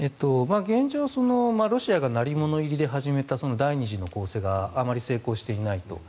現状、ロシアが鳴り物入りで始めた第２次の攻勢があまり成功していないと。